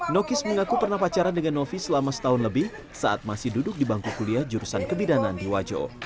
nokis mengaku pernah pacaran dengan novi selama setahun lebih saat masih duduk di bangku kuliah jurusan kebidanan di wajo